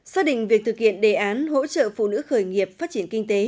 gia đình việc thực hiện đề án hỗ trợ phụ nữ khởi nghiệp phát triển kinh tế